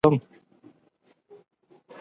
پرښخو، نجونو او زامنو